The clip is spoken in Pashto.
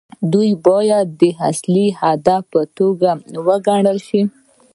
دوی باید د اصلي هدف په توګه وګڼل شي.